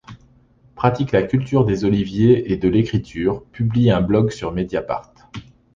Pratique la culture des oliviers et de l'écriture Publie un blog sur Mediapart.